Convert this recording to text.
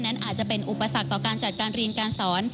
อาจจะเป็นอุปสรรคต่อการจัดการเรียนการสอน